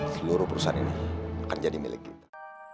seluruh perusahaan ini akan jadi milik kita